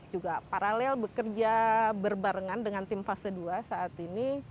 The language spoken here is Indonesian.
juga paralel bekerja berbarengan dengan tim fase dua saat ini